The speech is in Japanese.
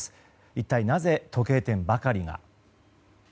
一体なぜ、時計店ばかりが。